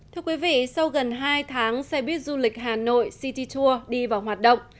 thưa quý vị sau gần hai tháng xe buýt du lịch hà nội citytour đi vào hoạt động